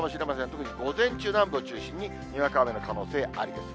特に午前中、南部を中心ににわか雨の可能性ありです。